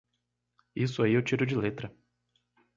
Isso aí eu tiro de letra!